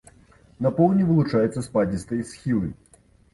На поўдні вылучаюцца спадзістыя схілы.